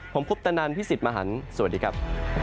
ผมพุทธนันทร์พี่สิทธิ์มหันต์สวัสดีครับ